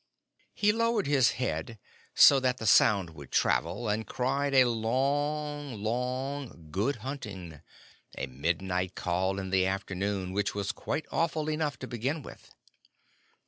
He lowered his head so that the sound would travel, and cried a long, long, "Good hunting" a midnight call in the afternoon, which was quite awful enough to begin with.